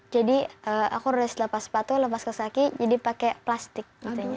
jadi aku harus lepas sepatu lepas kaki jadi pakai plastik